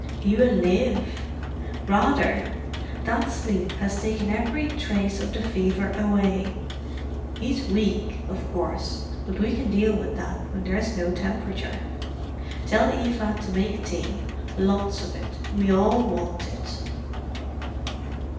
"He will live?" "Rather! That sleep has taken every trace of the fever away. He's weak, of course, but we can deal with that when there's no temperature. Tell Eva to make tea—lots of it. We all want it."